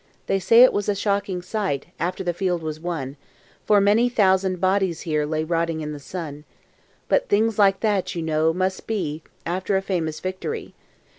"They say it was a shocking sight After the field was won; For many thousand bodies here Lay rotting in the sun; But things like that, you know, must be After a famous victory.